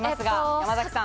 山崎さん。